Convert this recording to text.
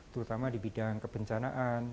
terutama di bidang kebencanaan